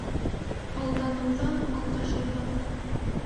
Алданыуҙан, алдашыуҙан...